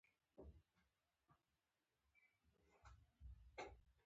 نو تاسې هیڅکله شمال ته نه یاست تللي